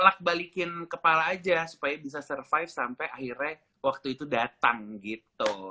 bolak balikin kepala aja supaya bisa survive sampai akhirnya waktu itu datang gitu